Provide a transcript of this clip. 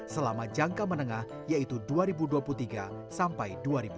selama jangka menengah yaitu dua ribu dua puluh tiga sampai dua ribu dua puluh